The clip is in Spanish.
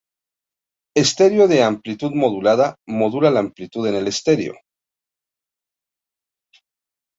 Estereo de amplitud modulada modula la amplitud en el estereo.